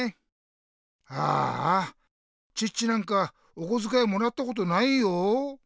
ああチッチなんかおこづかいもらったことないよ。